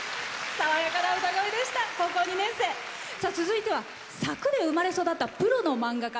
続いては佐久で生まれ育ったプロの漫画家。